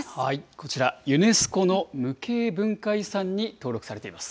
こちら、ユネスコの無形文化遺産に登録されています。